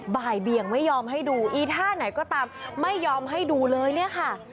บ่ายเบี่ยงไม่ยอมให้ดูอีท่าไหนก็ตามไม่ยอมให้ดูเลยเนี่ยค่ะ